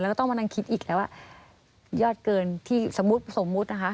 เราต้องมานั่งคิดอีกแล้วว่ายอดเกินที่สมมุตินะคะ